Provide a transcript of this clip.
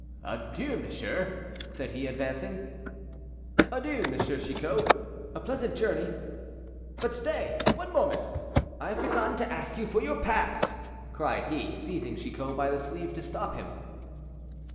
"Adieu! monsieur," said he, advancing. "Adieu! M. Chicot, a pleasant journey.—But stay, one moment; I have forgotten to ask for your pass," cried he, seizing Chicot by the sleeve to stop him.